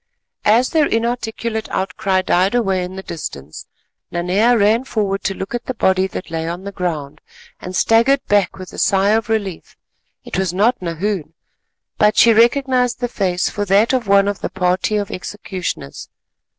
As their inarticulate outcry died away in the distance, Nanea ran forward to look at the body that lay on the ground, and staggered back with a sigh of relief. It was not Nahoon, but she recognised the face for that of one of the party of executioners.